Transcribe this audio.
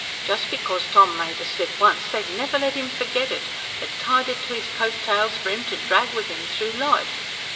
Just because Tom made a slip once, they've never let 'im forget it, but tied it to 'is coat tails for 'im to drag with 'im through life.